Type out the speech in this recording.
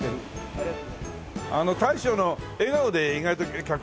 ありがとうございます。